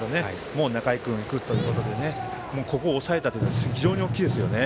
もう仲井君でいくということでここを抑えたというのは非常に大きいですね。